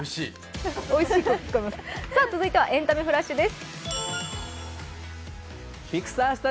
続いては「エンタメフラッシュ」です。